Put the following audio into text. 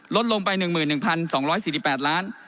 ลดลงไป๑๑๒๔๘ล้าน